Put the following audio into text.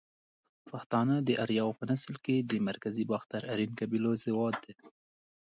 پښتانه ده اریاو په نسل کښی ده مرکزی باختر آرین قبیلو زواد دی